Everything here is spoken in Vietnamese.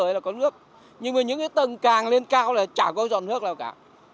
ấy là có nước nhưng mà những cái tầng càng lên cao là chả có dọn nước nào cả